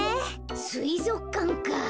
すいぞくかんか。